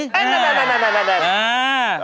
นั้นน่า